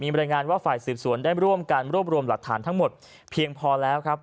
บรรยายงานว่าฝ่ายสืบสวนได้ร่วมกันรวบรวมหลักฐานทั้งหมดเพียงพอแล้วครับ